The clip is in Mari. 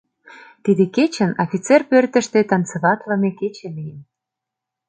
Тиде кечын Офицер пӧртыштӧ танцеватлыме кече лийын.